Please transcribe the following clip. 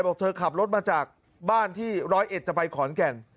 บอกเธอขับรถมาจากบ้านที่ร้อยเอ็ดจะไปขอนแก่น